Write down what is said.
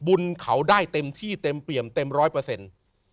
บุญเขาได้เต็มที่เต็มเปี่ยมเต็มร้อยเปอร์เซ็นต์